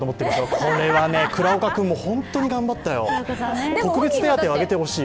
これは倉岡君も本当に頑張ったよ、特別手当てをあげてほしいよ。